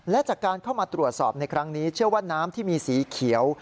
และจากการเข้ามาตรวจสอบในครั้งนี้เชื่อว่าน้ำที่มีสีเขียว